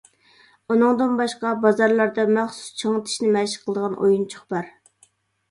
ئۇنىڭدىن باشقا، بازارلاردا مەخسۇس چىڭىتىشنى مەشىق قىلىدىغان ئويۇنچۇق بار.